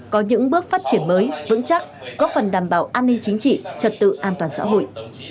có những bước phát triển mới vững chắc góp phần đảm bảo an ninh chính trị trật tự an toàn xã hội